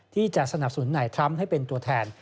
ที่จะสนับสนุนหน้าทรัมพ์ให้เป็นตัวแทน